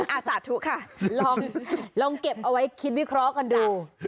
สาธุค่ะลองเก็บเอาไว้คิดวิเคราะห์กันดู